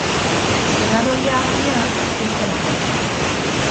Senar ohia, baina, ez zen agertu.